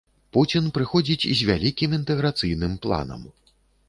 Пуцін прыходзіць з вялікім інтэграцыйным планам.